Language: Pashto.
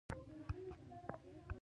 ځينې د هیلو، مينې او موخې ښودونکې وې.